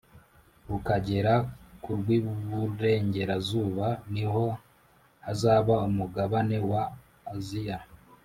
Ukagera ku rw iburengerazuba ni ho hazaba umugabane wa asiya